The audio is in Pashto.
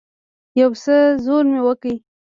يو څه زور مې وکړ.